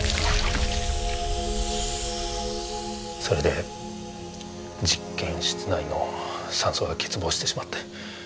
それで実験室内の酸素が欠乏してしまって。